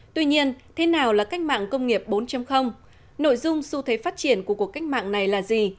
tuy nhiên thế nào là cách mạng công nghiệp bốn nội dung xu thế phát triển của cuộc cách mạng này là gì